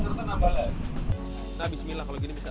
nah bismillah kalau gini bisa